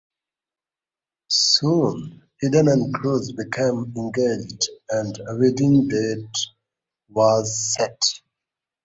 Soon, Eden and Cruz became engaged and a wedding date was set.